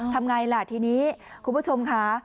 ทำไงล่ะทีนี้คุณผู้ชมค่ะ